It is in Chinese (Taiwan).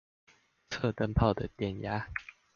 測燈泡的電壓